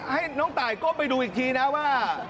ให้น้องตายก็ดูอีกทีนะ